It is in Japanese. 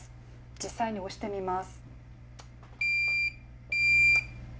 実際に押してみます。